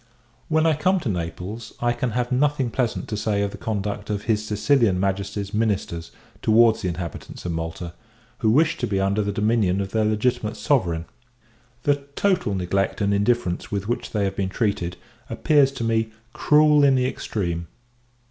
When I come to Naples, I can have nothing pleasant to say of the conduct of his Sicilian Majesty's ministers towards the inhabitants of Malta, who wish to be under the dominion of their legitimate Sovereign. The total neglect and indifference with which they have been treated, appears to me cruel in the extreme.